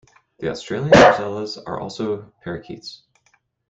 The Australian rosellas are also parakeets.